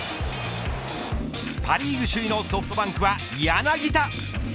パ・リーグ首位のソフトバンクは柳田。